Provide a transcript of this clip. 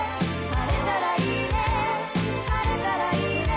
「晴れたらいいね」